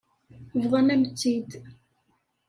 Bḍan-am-tt-id.